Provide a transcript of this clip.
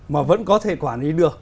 mà vẫn có thể quản lý được